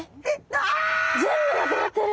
全部なくなってる。